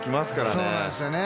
そうなんですよね。